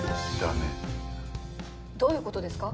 どういう事ですか？